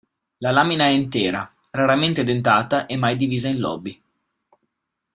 La lamina è intera, raramente dentata e mai divisa in lobi.